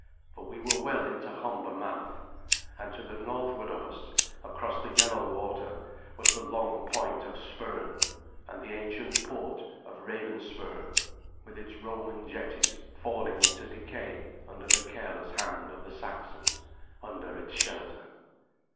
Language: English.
For we were well into Humber mouth, and to the northward of us, across the yellow water, was the long point of Spurn, and the ancient port of Ravenspur, with its Roman jetties falling into decay under the careless hand of the Saxon, under its shelter.